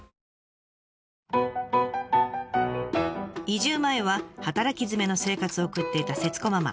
移住前は働きづめの生活を送っていた節子ママ。